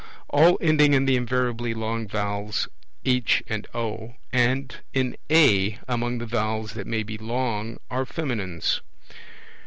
All ending in the invariably long vowels, H and O, and in A among the vowels that may be long, are feminines.